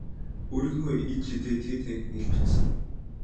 Өөрийнхөө ид шидээр тэр танхимыг илбэдсэн.